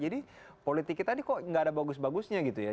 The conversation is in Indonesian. jadi politik kita ini kok nggak ada bagus bagusnya gitu ya